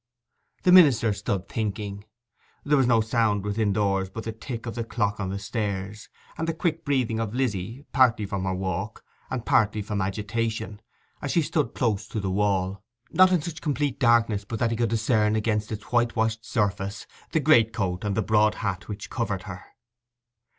The minister stood thinking; and there was no sound within doors but the tick of the clock on the stairs, and the quick breathing of Lizzy, partly from her walk and partly from agitation, as she stood close to the wall, not in such complete darkness but that he could discern against its whitewashed surface the greatcoat and broad hat which covered her.